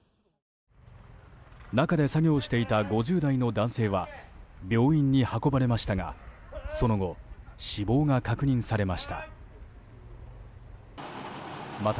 中で作業していた５０代の男性は病院に運ばれましたがその後、死亡が確認されました。